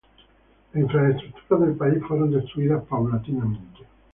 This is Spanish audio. Las infraestructuras del país fueron destruidas paulatinamente.